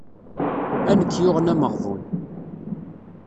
A nekk yuɣen ameɣbun.